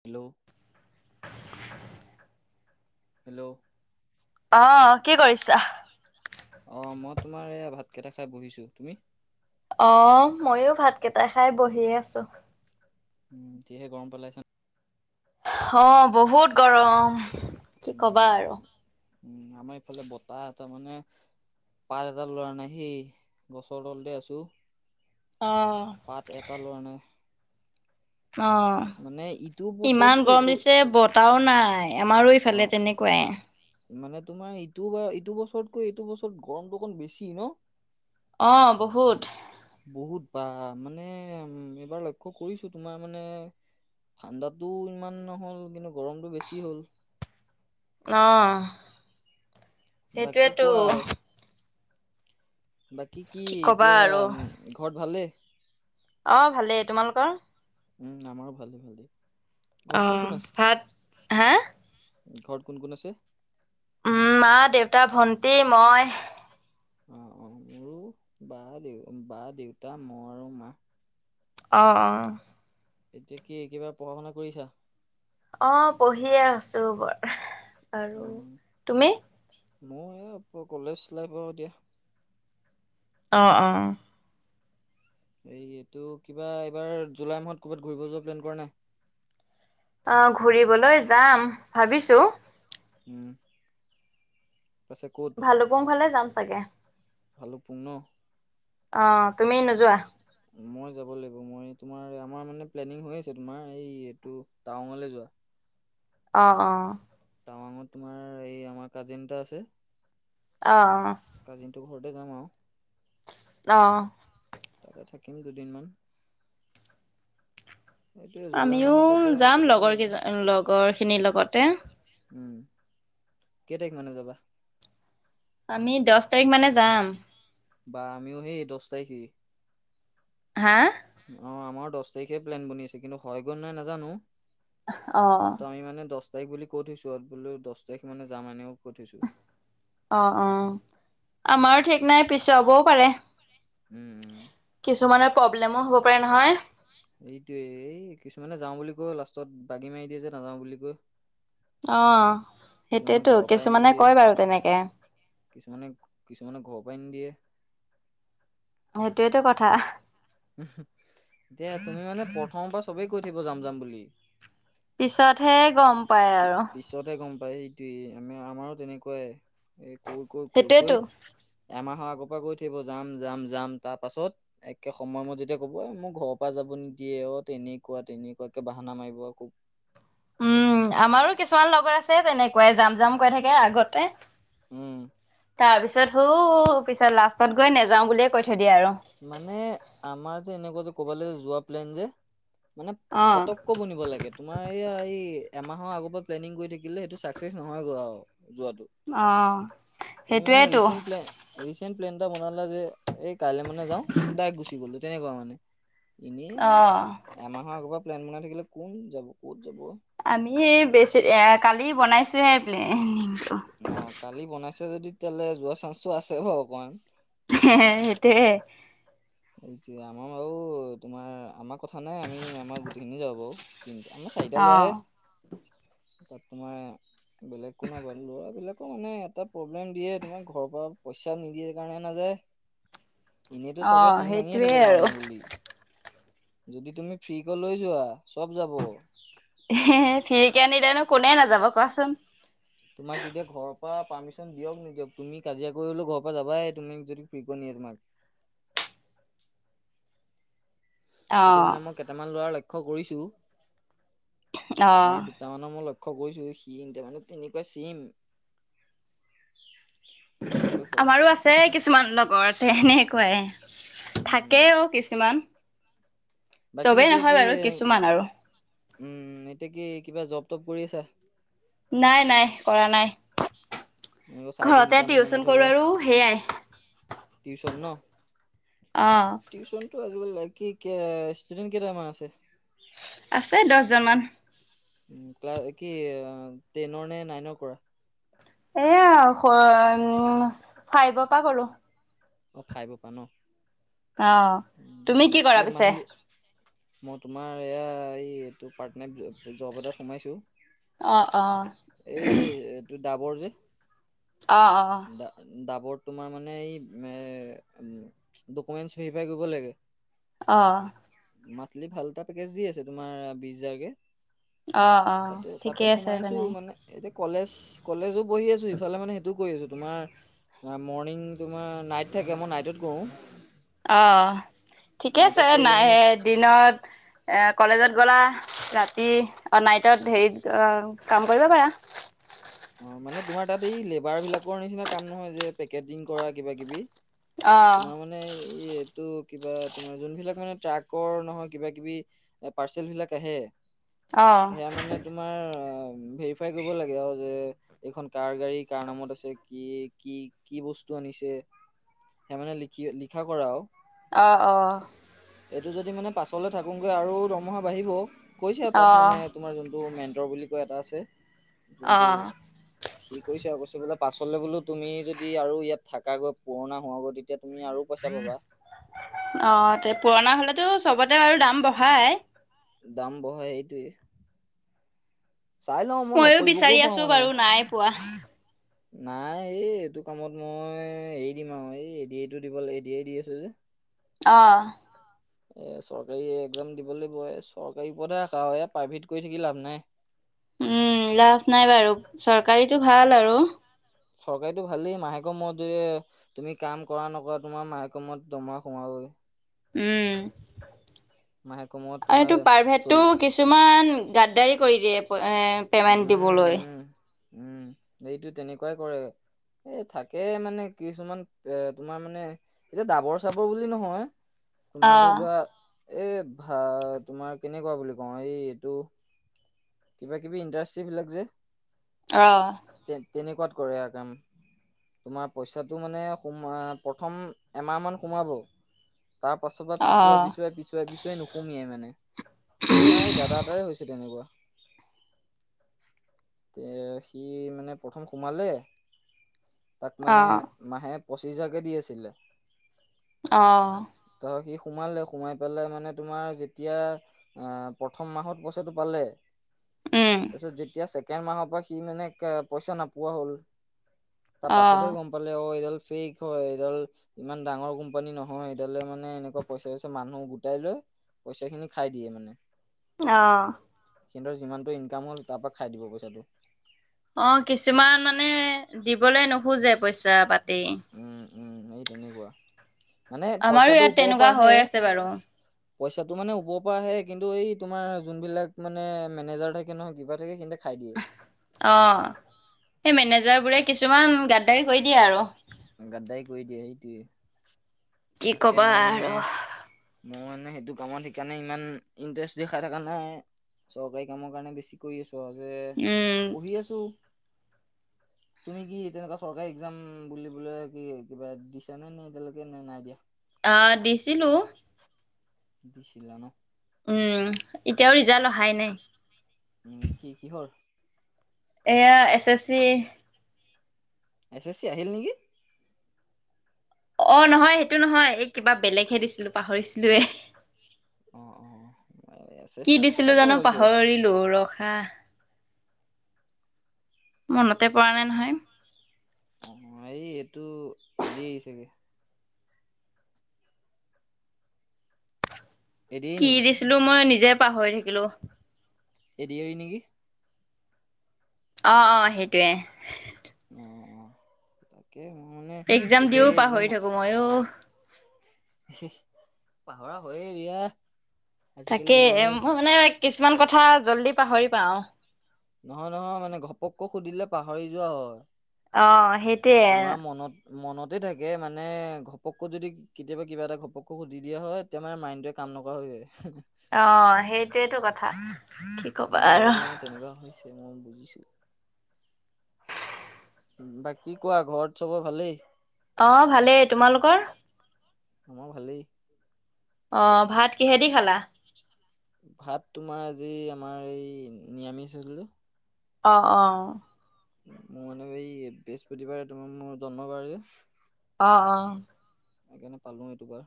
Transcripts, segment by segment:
Hello. Hello. অ। কি অ কৰিছা? কি কৰিছা অ মই তোমাৰ এই ভাত কেইটা খাই বহিছোঁ তুমি। অ মইও ভাত কেইটা খাই বহিয়ে আছোঁ। উম যিহে গৰম পেলাইছে। অ বহুত গৰম কি উম ক'বা আৰু। উম আমাৰ এইফালে বতাহ তাৰমানে। পাত এটা লৰা নাই সি গছৰ তলতে আছোঁ। অ' পাত এটা লৰা নাই। অহ। মানে ইটো ইমান বছৰতকৈ গৰম ইটো দিছে বতাহও নাই আমাৰো অ ইফালে তেনেকুৱাই। মানে তোমাৰ ইটো বা ইটো বছৰতকৈ এইটো বছৰত গৰমটো অকণ বেছি নহ। অ বহুত। বহুত বা মানে এইবাৰ লক্ষ্য কৰিছোঁ তোমাৰ মানে। ঠাণ্ডাতা ইমান নহ'ল কিন্তু গৰমটো বেছি হ'ল। অহ বাকী সেইটোৱেটো। কোৱা বাকী কি ক'বা এতিয়া আৰু ঘৰত ভালেই। অ ভালেই তোমালোকৰ। উম আমাৰো ভালেই। ঘৰত কোন অহ কোন আছে? ভাত হা। ঘৰত কোন কোন আছে। উম মা দেউতা ভন্টি মই। অ অ মোৰো বা দেউ বা দেউতা মই আৰু মা। অহ অহ। এতিয়া কি কিবা পঢ়া শুনা কৰিছা। অ পঢ়িয়ে আছোঁ মই আৰু উম, তুমি। মোৰ এই কলেজ লাইফৰ এতিয়া। অ অ। এই এইটো কিবা এইবাৰ জুলাই মাহত ক'ৰবাত ঘূৰিব যোৱা প্লেন কৰা নাই। অহ ঘূৰিবলৈ যাম ভাবিছোঁ। উম। পাছে ক'ত? ভালুকপুং ফালে যাম চাগে। ভালুকপুং নহ। অ তুমি নোযোৱা। মই যাব লাগিব মই তোমাৰ আমাৰ মানে প্লেনিং হৈ আছে তোমাৰ এই এইটো টাৱাংলৈ যোৱা। অ', অ'। টাৱাঙত তোমাৰ, এই আমাৰ কাজিন এটা আছে। অ', কাজিনটোৰ ঘৰতে যাম আৰু। অহ'। তাতে থাকিম দুদিনমান। [inaudible] এইটোৱে জুলাই আমিও, মাহত তাতে যাম কটাব লগৰ লাগিব। কেইজন লগৰ খিনিৰ লগতে। উম' কেই তাৰিখ মানে যাবা। আমি, দহ তাৰিখ মানে যাম। বা আমিও সেই দহ তাৰিখে এ। হা। অহ, আমাৰও দহ তাৰিখে প্লেন বনি আছে, কিন্তু হয় গৈ নাই নাজানো। অ', মাত্ৰ আমি মানে দহ। দহ তাৰিখ বুলি কৈ থৈছো আৰু বোলা, দহ তাৰিখ মানে যাম এনেকে কৈ থৈছো। অ', - অ', আমাৰো ঠিক নাই পিছৱাও পাৰে। উম, উম, কিছুমানৰ প্ৰব্লেমো হ'ব পাৰে নহয়। এইটোয়ে, এই কিছুমানে যাও বুলি কৈ লাষ্টত বাগি মাৰি দিয়ে যে নাযাও বুলি কৈ। অ, কিছুমানে সেইটোয়েতো, ঘৰৰ পৰাই কিছুমানে নিদিয়ে। কয় বাৰু তেনেকে। কিছুমানে- কিছুমানক ঘৰৰ পৰাই নিদিয়ে। সেইটোয়েটো কথা। এতিয়া তুমি মানে, প্ৰথমৰ পৰা চবেই কৈ থাকিব যাম যাম বুলি। পিছতহে, গম পাই পি- আৰু। পিছতহে গম পায় সেইটোয়ে আমি, আমাৰো তেনেকুৱা এ। কৈ-কৈ-কৈ-কৈ সেইটোয়েতো। এমাহৰ। আগৰ পৰা কৈ থাকিব। যাম- যাম, -যাম তাৰ পাছত একে। এ সময়ত-মত যেতিয়া ক'ব, মোৰ ঘৰৰ পৰা যাব নিদিয়ে। অ, তেনেকুৱা তেনেকুৱাকে বাহানা মাৰিব আকৌ। উম, আমাৰো কিছুমান লগৰ আছে তেনেকুৱাই। যাম- যাম কৈ থাকে আগতে। উম। তাৰপিছত, [unintelligible] পিছত লাষ্টত গৈ নেযাও বুলিয়ে কৈ। থৈ দিয়ে আৰু মানে, আমাৰ যে এনেকুৱা যে ক'বালৈ যোৱা প্লেন‌ যে। মানে, অ পতক [unintelligible] বনিব লাগে। তোমাৰ, এইয়া এই। এমাহৰ আগৰ পৰা প্লেনিং কৰি থাকিলে, সেইটো [unintelligible] নহয়গৈ আৰু। যোৱাটো? অ তুমি মানে সেইটোয়েতো ৰিচেন্ট প্লেন, ৰিচেন্ট প্লেন। টা বনালা যে, এই কাইলে মানে যাও। দাইৰেক্ট গুচি গ'লো, তেনেকুৱা মানে। এনেই অ আৰু এমাহৰ আগৰ পৰা প্লেন বনাই থাকিলে, কোন যাব ক'ত যাব? আমি, বেছি এ কালি বনাইছোহে প্লেনিং। অ, কালি বনাইছে যদি, তেতিয়াহলে যোৱা চান্সটো আছে বাৰু অকমান। [unintelligible] সেইটোৱে। সেইটোৱে, আমাৰ বাৰু তোমাৰ আমাৰ কথা নাই আমি আমাৰ গোটেইখিনি যাও বাৰু। তিনিটা, আমাৰ চাৰিটা অ ল'ৰাহে। তাত তোমাৰ, বেলেগ কোনো [unintelligible] ল'ৰাবিলাকো মানে, এটা প্ৰব্লেম দিয়ে তোমাৰ ঘৰৰ পৰা পইচা। পাইচা নিদিয়ে কাৰণে নাযায়। এনেইটো চবে। অহ, ঠেং দাঙিয়ে সেইটোয়ে থাকে যাওঁ আৰু। যাওঁ বুলি যদি তুমি, ফ্ৰীক লৈ যোৱা চব যাব। ফ্ৰীকে নিলেনো কোনে নাযাব, কোৱাচোন। তোমাক তেতিয়া ঘৰৰ পৰা পাৰ্মিশ্যন দিয়ক নিকিয়ক। তুমি কাজিয়া কৰি হ'লেও ঘৰ পৰা যাবাই তুমিক যদি ফ্ৰী কৰি নিয়া। তোমাক। অ সেইটো মানে মই কেইটামান ল'ৰাৰ লক্ষ্য কৰিছো। অ আমাৰ দুটামানৰ মই লক্ষ লক্ষ্য কৰিছো, সি তাৰ মানে তেনেকুৱা চিম। আমাৰো আছে, কিছুমান লগৰ তেনেকুৱাই এ। উম থাকে অ, কিছুমান। বাকী চবেই এতিয়া নহয় কি। বাৰু কিছুমান আৰু উম, এতিয়া কি। কিবা জপটপ কৰি আছা? নাই - নাই কৰা নাই। চাই ঘৰতে ইনকাম মানে টিউচন ধৰি কৰো আৰু সেয়াই লোৱা, টিউচন ন? আহ, টিউচনটো কি ষ্টুডেণ্ট কেইটামান আছে? আছে দহজনমান। উম, ক্লাছ কি টেনৰ নে, নাইনৰ কৰা? এয়া উম, ফাইবৰ পৰা কৰো। ফাইভৰ ন। অ, উম, তুমি কি কৰা পিছে? মান্থলি মই তোমাৰ এয়া, এই এইটো পাৰ্ট টাইম জব এটাত সোমাইছো। অ ', অ'। এই এইটো ডাবৰ যে অ, অ। ডাবৰ তোমাৰ মানে, এই এ ডকুমেন্ট ভেৰিফাই কৰিব লাগে। অ'। মান্থলী ভাল এটা পেকেজ দি আছে তোমাৰ, বিশ হাজাৰকে। অ' - অ'। তাতে তাতে ঠিকেই আছে সোমাই আছো তেনে। মানে এতিয়া কলেজ- কলেজো পঢ়ি আছোঁ, ইফালে মানে সেইটোও কৰি আছোঁ। তোমাৰ মৰ্ণিং- তোমাৰ নাইট থাকে, মই নাইটত কৰোঁ। অ' ঠিকে আছে। নাইটত কৰিলে মানে নাই- দিনত এ কলেজত গ'লা, ৰাতি অ'- নাইটত হেৰিত অ'- কাম কৰিব পাৰা। অ' মানে তোমাৰ তাত এই লেবাৰবিলাকৰ নিচিনা কাম নহয় যে, পেকেটিং কৰা কিবাকিবি। অ তোমাৰ মানে ইয়ে তো কিবা তোমাৰ যোনবিলাক মানে ট্ৰাকৰ নহয় কিবাকিবি পাৰ্চেলবিলাক আহে, অ সেয়া মানে তোমাৰ অ'- ভেৰিফাই কৰিব লাগে আৰু যে এইখন কাৰ গাড়ী, কাৰ নামত আছে, কি - কি - কি বস্তু আনিছে, সেই মানে লিখি- লিখা কৰাও। অ' - অ'। এইটো যদি মানে পাছলে থাকোগৈ, আৰু দৰমহা বাঢ়িব। কৈছে আৰু অ তাত মানে তোমাৰ যোন টো মেন্তৰ বুলি কৈ এটা আছে। অ যোনটো অ সি কৈছে আৰু কৈছে বোলে পাছলৈ বোলো তুমি যদি আৰু ইয়াত থাকাকৈ পুৰণা হোৱাগৈ তেতিয়া, তুমি আৰু পইচা পাবা অ' তে পুৰণা হ'লেতো চবতে বাৰু দাম বঢ়ায়। দাম বঢ়ায়, এইটোৱে। চাই লওঁ, মই ময়ো নকৰিবগও বিচাৰি পাৰোঁ আছো মানে। বাৰু নাই পোৱা। নাই, এ এইটো কামত মই এৰি দিম আৰু। এই এ ডি এ টো দিব ল- এ ডি এ টো দি আছোঁ যে। অ'। এ চৰকাৰী এক্জাম দিবলৈ বয়। চৰকাৰী ওপৰতে আশা আৰু। ইয়াত প্ৰাইভেট কৰি থাকি লাভ নাই। উম লাভ নাই বাৰু চৰকাৰীটো ভাল আৰু। চৰকাৰী ভালেই মাহেক মোৰত যে তুমি কাম কৰা নকৰা তোমাৰ মাহেক মোৰত দৰমহা সোমাব। [unintelligible] উম। মাহেকৰ মূৰত আৰু তোমাৰ এইটো চল প্ৰাইভেটটো কিছুমান গাদ্দাৰি কৰি দিয়ে এপ এ উম পেমেন্ট দিবলৈ। উম উম এইটো তেনেকুৱাই কৰে। এ থাকে মানে কিছুমান এ তোমাৰ মানে এতিয়া ডাবৰ চাবৰ বুলি নহয়। তোমাৰ অ', ধৰি লোৱা এ ভা তোমাৰ কেনেকুৱা বুলি কওঁ এই এইটো কিবা কিবি ইণ্ডাষ্ট্ৰীবিলাক যে? অহ। তে তেনেকুৱাত কৰে আ কাম। তোমাৰ পইচাটো মানে সোমা প্ৰথম এমাহমান সোমাব। তা পাছ পা পিছুৱাই অ', পিছুৱাই পিছুৱাই পিছুৱাই নুসুমিয়াই মানে। আমাৰ এই দাদা এটাৰে হৈছে তেনেকুৱা। এ সি মানে প্ৰথম সোমালে তাক মানে অ', মাহে পঁচিছ হাজাৰকে দি আছিলে। অহ। ত সি সোমালে সোমাই পেলাই মানে তোমাৰ যেতিয়া অ প্ৰথম মাহত পইচাটো পালে উম, তাৰপিছত যেতিয়া ছেকেণ্ড মাহৰ পৰা সি মানে পইচা নাপোৱা হ'ল। তাৰ পাছতেহে অ', গম পালে অ' এইডাল শেষ হয়, এইডাল ইমান ডাঙৰ কোম্পানী নহয়, এইডাললে মানে এনেকুৱা পইচা-পইচা মানুহ গো গটাই লৈ পইচা খিনি খাই দিয়ে মানে অহ। সিহঁতৰ যিমানটো ইনকাম হ'ল, তাৰপৰা খাই দিব পইচাটো। অ' কিছুমান মানে দিবলৈ নোখোজে পইচা-পাতি। উম উম, এই তেনেকুৱা মানে আমাৰো পইচাটো ইয়াত ওপৰৰ পৰা তেনেকুৱা আহে। হৈ আছে বাৰু পইচাটো মানে ওপৰ পৰা আহে কিন্তু এই তোমাৰ যোন বিলাক মানে মেনেজাৰ থাকে নহয় কিবা থাকে সেই অ' সেই মেনেজাৰ বোৰে কিছুমান গাদ্দাৰ কৰি দিয়ে আৰু গাদ্দাৰি কৰি দিয়ে। কি তাকে কবা মই মানে আৰু মই মানে সেইটো কামত সেইকাৰণে ইমান ইন্টাৰেষ্ট দেখাই থকা নাই চৰকাৰী কামৰ কাৰণে বেছি কৰি আছো। ত যে উম, পঢ়ি আছো। তুমি কি তেনেকুৱা চৰকাৰী একজাম বুলি বোলে কি কিবা দিছা নে, নে এতিয়ালৈকে নে নাই দিয়া। আহ দিছিলো। দিছিলো ন'। উম' এতিয়াও ৰিজাল্ট অহাই উম, উম, নাই। কি কিহৰ? এয়া S S C S A C আহিল নেকি? অ' নহয় সেইটো নহয় এই কিবা বেলেগহে দিছিলো পাহৰিছিলোৱেই। অ', অ', এছ এছ কি চি মই দিছিলো তাকে জানো ভাবিছো অ', পাহৰিলো ৰখা মনতে পৰা নাই নহয়। [inaudible] এৰি কি নেকি? দিছিলো মই নিজে পাহৰি থাকিলো। এৰিয়া হয় নেকি? অ', -অ'সেইটোৱে। [inaudible] মানে একজাম দিও এডিআৰি এক্সাম পাহৰি থাকো মইয়ো। পাহৰা হয়ে এতিয়া। তাকে মই মানে কিছুমান কথা জল্দি পাহৰি যাওঁ। নহয়, নহয় মানে ঘপককৈ সুধিলে পাহৰি যোৱা হয়। অ' সেইটয়ে তোমাৰ আৰু মনত মনতে থাকে মানে ঘপকো যদি কেতিয়াবা কিবা এটা ঘপকো সুধি দিয়া হয়, তেতিয়া মানে মাইণ্ডটে কাম এনেকুৱা হৈ যায়। অ' সেইটোৱেটো কথা কি কবা মোৰ আৰু লগতো মানে [unintelligible] বাকী কোৱা ঘৰত চবৰ ভালেই। আহ ভালেই, তোমালোকৰ আমাৰ ভালেই আহ ভাত। কিহেদি খালা। ভাত তোমাৰ আজি আমাৰ এই নিৰামিষ হৈছিল। অ', -অ'। মোৰ মানে এই বৃহস্পতিবাৰে তোমাৰ মোৰ জন্মবাৰ যে অহ- অহ সেইকাৰণে পালো এইটোবাৰ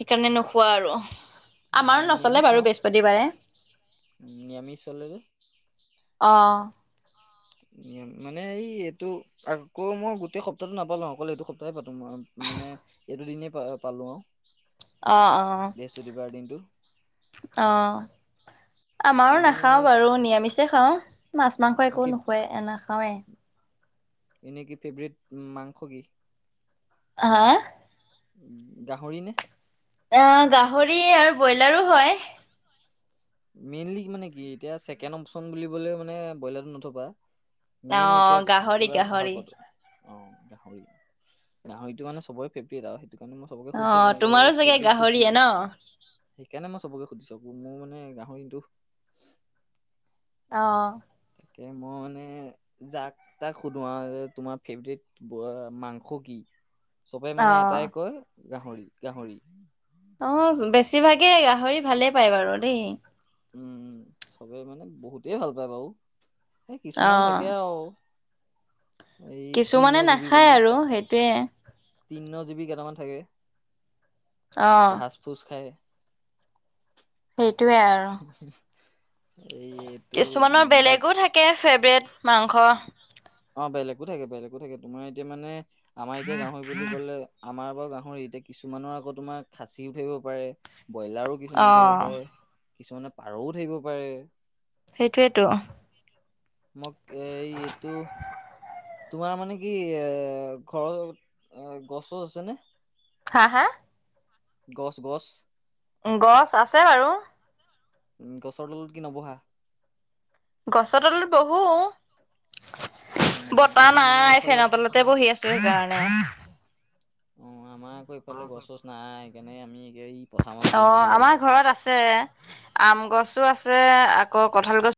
সেইকাৰণে নোখোৱা আৰু না- আমাৰো নচলে নিৰামিষ বাৰু খাওঁ বৃহস্পতিবাৰে [unintelligible] অ মানে এই এইটো আকৌ মই গোটেই সপ্তাহটো নাপালো অকল এইটো সপ্তাহে পা ই মানে এইটো দিনেই পা পালো আৰু অ অ বৃহস্পতিবাৰৰ দিনটো অ আমাৰো এনেই মানে নাখাও বাৰু নিৰামিষে খাওঁ মাছ মাংস একো কি নোখোৱাই নাখাওৱেই এনেকে ফেভৰেট মাংস কি? হা গাহৰি নে? অ গাহৰি আৰু ব্ৰইলাৰো হয় মেইনলি মানে কি এতিয়া ছেকেণ্ড অপচন বুলিবলৈ মানে ব্ৰইলাৰটো নথবা অ মেইনিকে গাহৰি পুৰা ভাল গাহৰি পোৱাটো অ গাহৰি গাহৰিটো মানে চবৰে ফেভৰেট আও সে সেইটো কাৰণে মই সবকে অ সুধি থাকো যে তোমাৰো চাগে ফেভৰেতটো কি? গাহৰিয়ে ন সেইকাৰণে মই চবকে সুধিছো মোৰ মানে গাহৰিটো অ তাকে মই মানে যাক তাক সুধোঁ আৰু যে তোমাৰ ফেভৰেট ৰট মাংস কি চবে মানে অ এটাই কয় গাহৰি গাহৰি অ বেছিভাগেই গাহৰি ভালে পায় বাৰু দেই উম চবে মানে বহুতেই ভাল পায় বাৰু এই কিছুমান অ', থাকে আও এই তিন্ন কিছুমানে জিবী নাখায় বুলি আৰু সেইটোৱে তিন্ন জিবী কেইটামান থাকে অ', ঘাছ - পুচ খায় সেইটোৱেই আৰু এই এইটো কিছুমানৰ উম বাক বেলেগো থাকে ফেভৰেট মাংস অ বেলেগো থাকে বেলেগো থাকে তোমাৰ এতিয়া মানে আমাৰ এতিয়া গাহৰি বুলি কলে আমাৰবোৰৰ গাহৰি এতিয়া কিছুমানৰ আকৌ তোমাৰ খাচি উঠিব পাৰে ব্ৰইলাৰো কিছুমানৰ থাকিব অ', পাৰে কিছুমানে পাৰও থাকিব পাৰে সেইটোৱেতো মোক এ এইটো তোমাৰ মানে কি এ ঘৰত এ গছটছ আছেনে? হা হা গছ গছ গছ আছে বাৰু গছৰ তলত কি নবহা গছৰ তলৰ বহু উম, বতাহ আমাৰ মানে নাই এইফালে ফেনৰ তলতে বহি আছো সেইকাৰণে অ', আমাৰ আকৌ এইফালে গছ- চছ নাই সেইকাৰণে আমি এই পথাৰ মাজত অ বহি ফুৰিব লাগে। আমাৰ ঘৰত আছে আম গছো আছে আকৌ কঠাল গছ